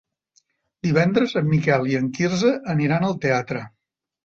Divendres en Miquel i en Quirze aniran al teatre.